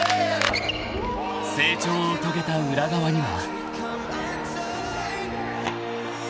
［成長を遂げた裏側には］